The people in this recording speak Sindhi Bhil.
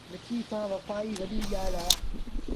مٽيٚ سآݩ وڦآئيٚ وڏي ڳآل اهي۔